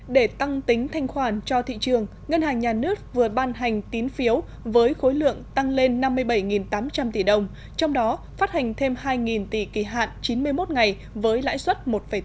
để tăng tính thanh khoản cho thị trường ngân hàng nhà nước vừa ban hành tín phiếu với khối lượng tăng lên năm mươi bảy tám trăm linh tỷ đồng trong đó phát hành thêm hai tỷ kỳ hạn chín mươi một ngày với lãi suất một tám